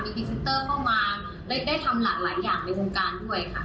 พรีเซนเตอร์เข้ามาได้ทำหลากหลายอย่างในวงการด้วยค่ะ